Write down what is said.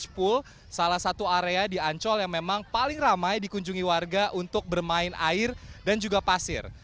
spool salah satu area di ancol yang memang paling ramai dikunjungi warga untuk bermain air dan juga pasir